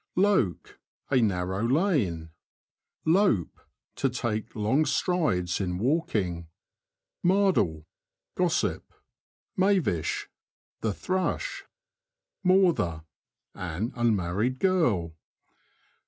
LOKE. — A narrow lane. Lope. — To take long strides in walking. Mardle. — Gossip. MaviSH. — ^The thrush. Mawther. — An unmarried girl.